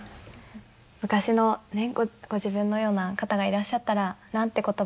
昔のご自分のような方がいらっしゃったら何て言葉をかけたいですか？